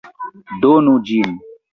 Donu ĝin!